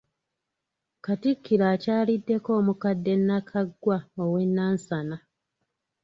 Katikkiro akyaliddeko omukadde Nakaggwa owe Nansana.